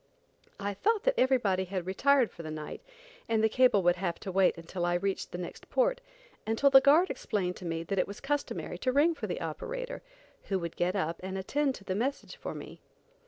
I thought that everybody had retired for the night, and the cable would have to wait until I reached the next port, until the guard explained to me that it was customary to ring for the operator, who would get up and attend to the message for me.